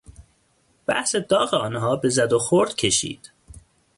بحث داغ آنها به زد و خورد کشید.